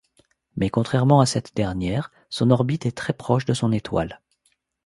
Mais contrairement à cette dernière, son orbite est très proche de son étoile.